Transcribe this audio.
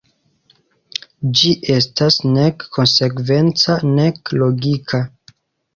Ĝi estas nek konsekvenca nek logika.